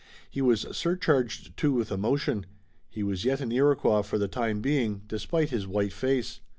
He was surcharged, too, with emotion. He was yet an Iroquois for the time being, despite his white face.